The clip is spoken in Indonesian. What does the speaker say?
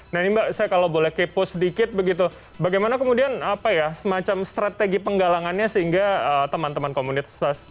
nah ini mbak saya kalau boleh kepo sedikit begitu bagaimana kemudian apa ya semacam strategi penggalangannya sehingga teman teman komunitas